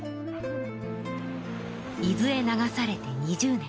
伊豆へ流されて２０年。